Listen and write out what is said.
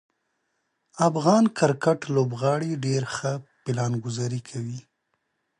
د افغان کرکټ لوبغاړو ډیر ښه پلانګذاري کوي.